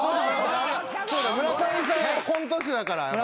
そうだ村上さんコント師だから。